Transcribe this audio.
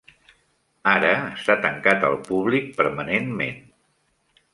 Ara està tancat al públic permanentment.